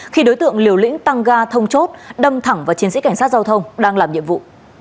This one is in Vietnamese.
khi đối tượng liều lĩnh tăng ga thông chốt đâm thẳng vào chiến sĩ cảnh sát giao thông đang làm nhiệm vụ